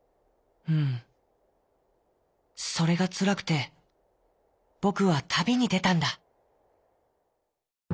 「うんそれがつらくてぼくはたびにでたんだ」。